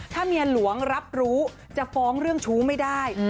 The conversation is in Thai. ถ้าเมียหลวงรับรู้จะฟ้องเรื่องชู้ไม่ได้